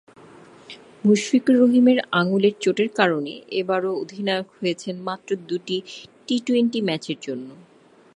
মুশফিকুর রহিমের আঙুলের চোটের কারণে এবারও অধিনায়ক হয়েছেন মাত্র দুটি টি-টোয়েন্টি ম্যাচের জন্য।